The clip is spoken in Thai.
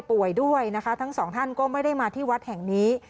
ด้วยนะคะทั้งสองท่านก็ไม่ได้มาที่วัดแห่งนี้